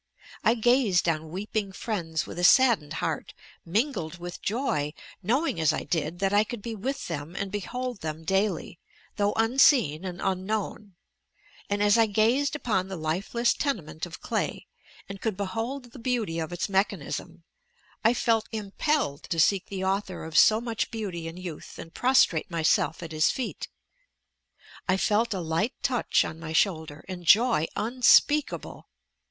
I gazed on weeping friends with a saddened heart, mingled with joy — knowing, as I did, that I could be with them and behold them daily, though unseen and unknown, and as I gazed upon the lifeless tenement of clay and could behold the beauty of iXa mechanism, I felt impelled to WHAT HAPPENS AFTER DEATH! seek the Author of so much beauty and youth and prostrate myself at his feet. I felt a light touch on my shoulder, and, joy unspeakable